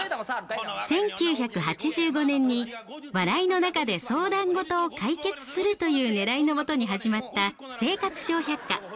１９８５年に「笑いの中で相談事を解決する」というねらいのもとに始まった「生活笑百科」。